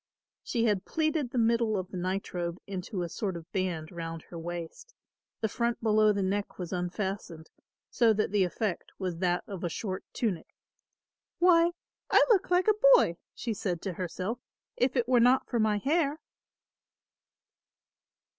She had pleated the middle of the nightrobe into a sort of band round her waist; the front below the neck was unfastened, so that the effect was that of a short tunic. "Why, I look like a boy!" she said to herself; "if it were not for my hair."